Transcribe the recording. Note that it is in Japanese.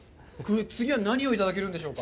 次は何をいただけるんでしょうか。